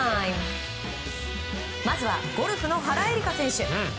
まずは、ゴルフの原英莉花選手。